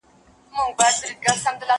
زه به پوښتنه کړې وي!؟